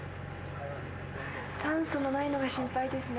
酸素がないのが心配ですね。